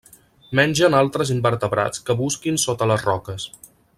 Mengen altres invertebrats que busquin sota les roques.